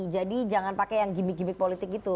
jadi jangan pakai yang gimmick gimmick politik gitu